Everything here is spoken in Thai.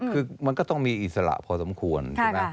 คือมันก็ต้องมีอิสระพอสมควรใช่ไหม